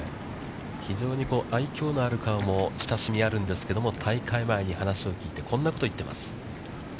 非常に愛きょうのある顔も親しみがあるんですけれども、大会前に話をしていてこんなことを言ってます。